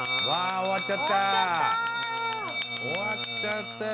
終わっちゃったよ